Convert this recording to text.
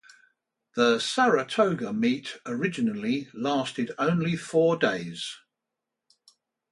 The Saratoga meet originally lasted only four days.